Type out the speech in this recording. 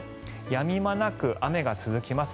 やみ間なく雨が続きます。